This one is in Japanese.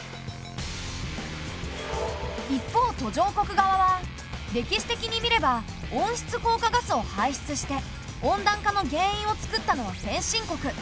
一方途上国側は「歴史的に見れば温室効果ガスを排出して温暖化の原因を作ったのは先進国。